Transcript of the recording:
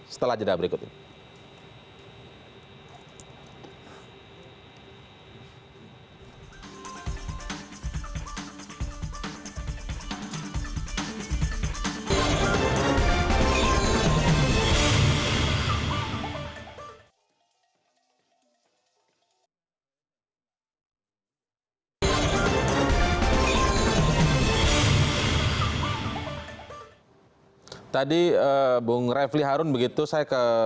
setelah jeda berikutnya